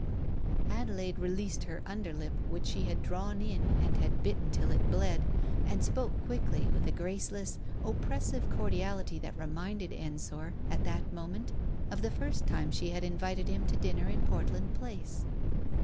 ... Adelaide released her underlip, which she had drawn in and had bitten till it bled, and spoke quickly, with a graceless, oppressive cordiality that reminded Ensor, at that moment, of the first time she had invited him to dinner in Portland Place.